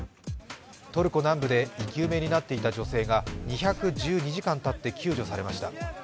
トルコ南部で生き埋めになっていた女性が、２１２時間たって救助されました。